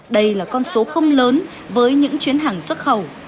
đây là con số không lớn với những chuyến hàng xuất khẩu